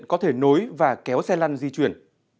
có thể nối và kéo xe lăn di chuyển